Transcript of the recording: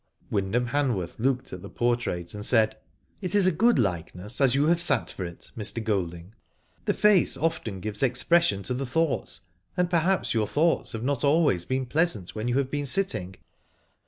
Wyndham Hanworth looked at the portrait and said :^" It is a good likeness as you have sat for it, Mr. Golding. The face often gives expression to the thoughts, and perhaps your thoughts have not always been pleasant when you have been sitting.''